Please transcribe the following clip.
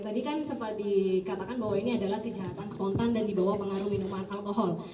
tadi kan sempat dikatakan bahwa ini adalah kejahatan spontan dan dibawa pengaruh minuman alkohol